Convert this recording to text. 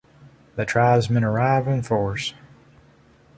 The tribesmen arrive in force.